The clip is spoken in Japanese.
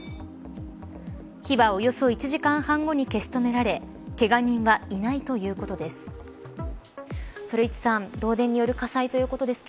火はおよそ１時間半後に消し止められけが人はいないということです。